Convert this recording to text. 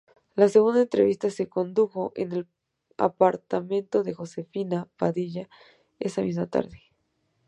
La segunda entrevista se condujo en el apartamento de Josefina Padilla, esa misma tarde.